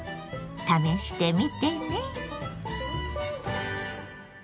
試してみてね。